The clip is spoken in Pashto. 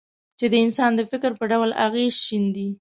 چې د انسان د فکر په ډول اغېز شیندي.